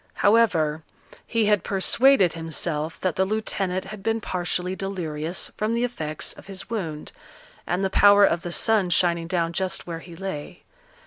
However, he had persuaded himself that the lieutenant had been partially delirious from the effects of his wound, and the power of the sun shining down just where he lay.